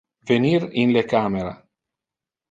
Venir in le camera.